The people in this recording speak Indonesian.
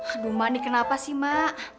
ibu mani kenapa sih mak